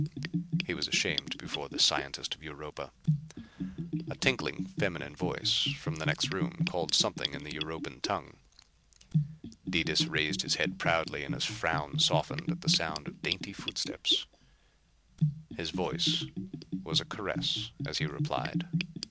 He was ashamed before this scientist of Europa. A tinkling feminine voice from the next room called something in the Europan tongue. Detis raised his head proudly and his frown softened at the sound of dainty footsteps. His voice was a caress as he replied.